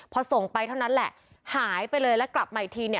พอส่งไปเท่านั้นแหละหายไปเลยแล้วกลับมาอีกทีเนี่ย